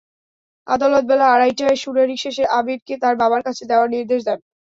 আদালত বেলা আড়াইটায় শুনানি শেষে আবিরকে তার বাবার কাছে দেওয়ার নির্দেশ দেন।